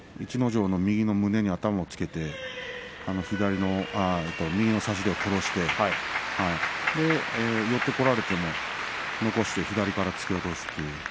逸ノ城の右の胸に頭をつけて右の差し手を殺して寄ってこられても残して左から突き落とす。